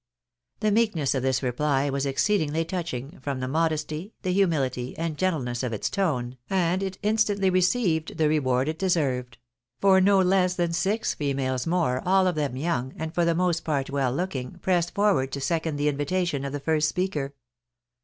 The meekness of this reply was exceedingly touching, from the A HEINOUS SIN TO CONFESS. 319 modesty, the humility, and gentleness of its tone, and it instantly received the reward it deserved ; for no less than six females more, all of them young, and for the most part well looking, pressed for ward to second the invitation of the first speaker.